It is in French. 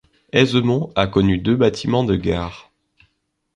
Aisemont a connu deux bâtiments de gare.